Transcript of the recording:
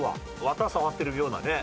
綿触ってるようなね。